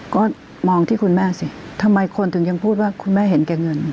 ก็มองที่คุณแม่สิทำไมคนถึงยังพูดว่าคุณแม่เห็นแก่เงิน